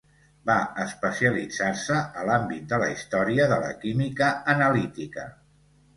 Va especialitzar-se a l'àmbit de la història de la química analítica.